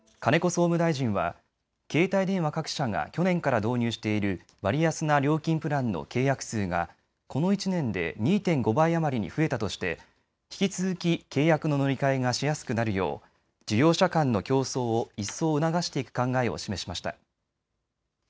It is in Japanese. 総務大臣は携帯電話各社が去年から導入している割安な料金プランの契約数がこの１年で２．５倍余りに増えたとして引き続き契約の乗り換えがしやすくなるよう事業者間の競争を一層、促していく考えを示しました。